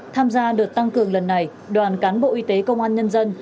tham gia đợt tăng cường lần này đoàn cán bộ y tế công an nhân dân